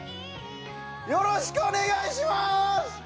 よろしくお願いします！